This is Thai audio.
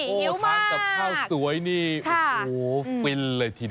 โอ้โหทานกับข้าวสวยนี่โอ้โหฟินเลยทีเดียว